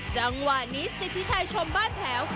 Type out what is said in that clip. จังหวะนี้สิทธิชัยชมบ้านแถว